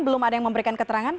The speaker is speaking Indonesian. belum ada yang memberikan keterangan